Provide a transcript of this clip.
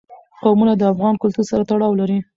قومونه د افغان کلتور سره تړاو لري.